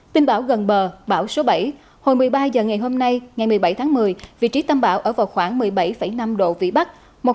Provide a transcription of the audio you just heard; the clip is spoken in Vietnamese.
tin bão gần bờ bão số bảy hồi một mươi ba h ngày hôm nay ngày một mươi bảy tháng một mươi vị trí tâm bão ở vào khoảng một mươi bảy năm độ vĩ bắc